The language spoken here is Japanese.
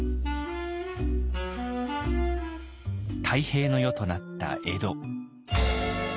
泰平の世となった江戸。